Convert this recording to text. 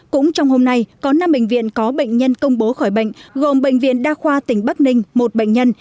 cũng trong hôm nay có năm bệnh viện có bệnh nhân công bố khỏi bệnh gồm bệnh viện đa khoa tỉnh bắc ninh một bệnh nhân